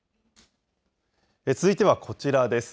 続いてはこちらです。